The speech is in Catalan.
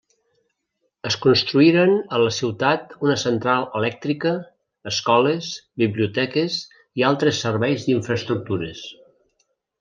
Es construïren a la ciutat una central elèctrica, escoles, biblioteques i altres serveis d'infraestructures.